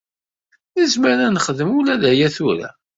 Nezmer ad nexdem ula d aya tura.